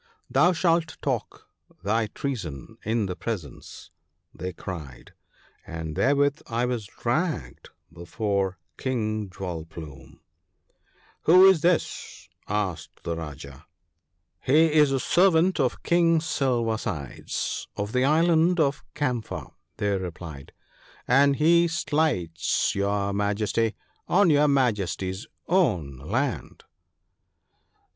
'Thou shalt talk thy treason in the presence/ they war. 93 cried ; and therewith I was dragged before King Jewel plume. ' Who is this ?' asked the Rajah. 'He is a servant of King Silversides, of the Island of Camphor, ' they replied ;' and he slights your Majesty, on your Majesty's own land.'